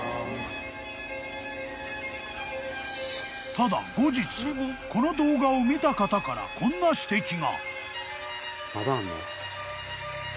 ［ただ後日この動画を見た方からこんな指摘が］